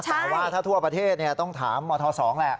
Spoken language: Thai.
แต่ว่าถ้าทั่วประเทศต้องถามมธ๒แหละ